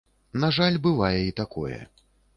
На жаль, бывае і такое.